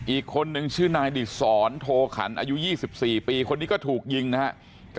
อีกคนนึงชื่อนายดิสรโทขันอายุ๒๔ปีคนนี้ก็ถูกยิงนะครับ